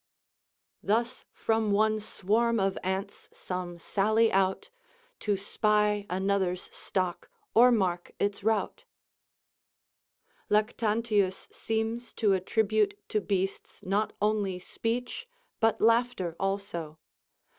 "Thus from one swarm of ants some sally out. To spy another's stock or mark its rout." Lactantius seems to attribute to beasts not only speech, but laughter also.